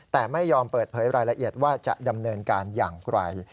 แต่ไม่ยอมเปิดเผยรายละเอียดว่าจะดำเนินการอย่างไร